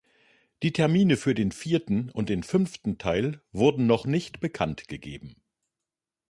Die Termine für den vierten und den fünften Teil wurden noch nicht bekannt gegeben.